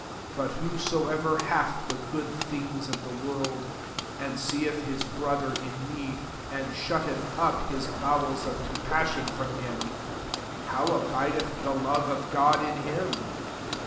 17 But whosoever hath the good things of the world, and seeth his brother in need, and shutteth up his bow els of comfiaaBion from him, how abideth the love of God in him?